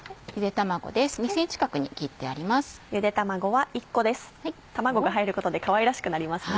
卵が入ることでかわいらしくなりますね。